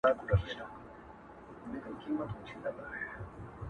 خکارېږي راته داسې لکه ګل سره ازغے